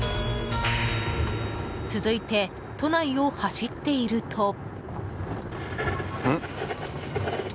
続いて都内を走っていると。